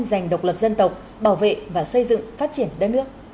giành độc lập dân tộc bảo vệ và xây dựng phát triển đất nước